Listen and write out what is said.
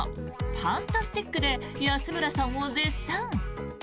パンタスティックで安村さんを絶賛。